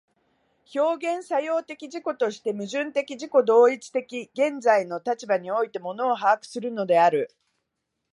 表現作用的自己として、矛盾的自己同一的現在の立場において物を把握するのである。